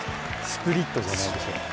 スプリットじゃないですか？